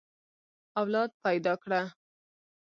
اولاد پيدا کړه.